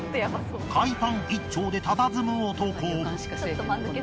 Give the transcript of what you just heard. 海パン一丁でたたずむ男。